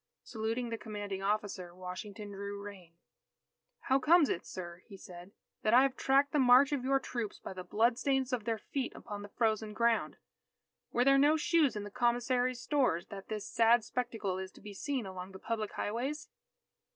Saluting the commanding officer, Washington drew rein. "How comes it, sir," he said, "that I have tracked the march of your troops by the bloodstains of their feet upon the frozen ground? Were there no shoes in the commissary's stores, that this sad spectacle is to be seen along the public highways?"